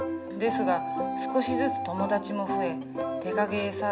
ですが少しずつ友達も増え手影絵